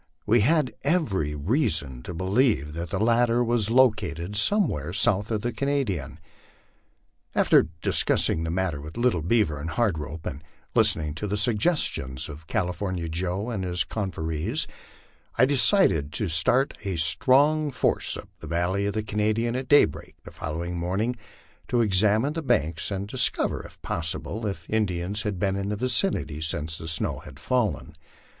We had every reason to believe that the latter was located somewhere south of the Canadian. After discussing the matter with Little Beavt r and Hard Rope, and listening to the suggestions of California Joe and his confreres, I decided to start a strong force up the valley of the Canadian at daybreak the following morning, to ex amine the banks and discover, if possible, if Indians had been in the vicinity since the snow had fallen.